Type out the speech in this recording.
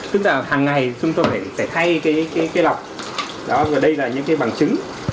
hàng ngày chúng tôi sẽ thay cái lọc đây là những cái bằng chứng